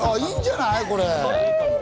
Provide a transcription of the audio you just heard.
いいんじゃない？